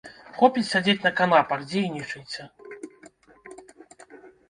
Хопіць сядзець на канапах, дзейнічайце!